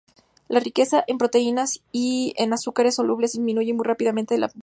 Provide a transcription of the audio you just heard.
La riqueza en proteínas y en azúcares solubles disminuye muy rápidamente en primavera.